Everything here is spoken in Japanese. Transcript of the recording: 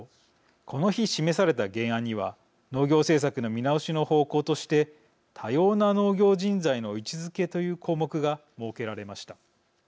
この日、示された原案には農業政策の見直しの方向として多様な農業人材の位置づけという項目が設けられました。